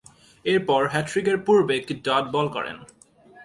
এরপর হ্যাট্রিকের পূর্বে একটি ডট বল করেন।